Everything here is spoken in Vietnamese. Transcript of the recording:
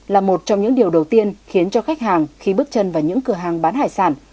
là một trong những điều đầu tiên khiến cho khách hàng khi bước chân vào những cửa hàng bán hải sản